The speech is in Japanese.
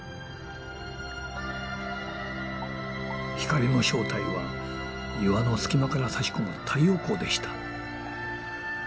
光の正体は岩の隙間からさし込む太陽光でした。